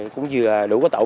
cũng vừa đủ có tổn